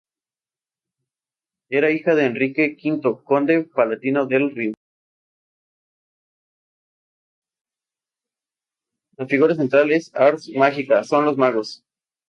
La figura central de "Ars Magica" son los magos.